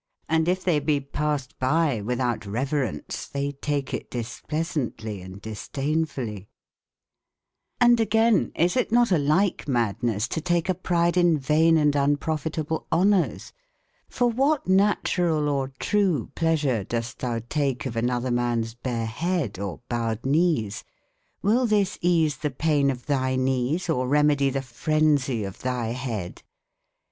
Hnd if they be passed by without reverence, they takeitdispleasauntly and disdain fuUye* ^^]VD agayne, is it not a ly ke madnes f olish ^^" to take a pryde in vayne & unprofit/ honore able honours ? for what naturall or trewe pleasure doest thou take of an oth/ er mans bare hede, or bowed knees ? ^ill this ease the paine of thy knees, or rem e die the phrensie of thy hede ?